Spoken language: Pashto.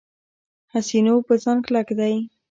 حسینو په ځان کلک دی.